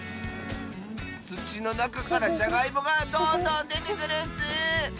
つちのなかからじゃがいもがどんどんでてくるッス！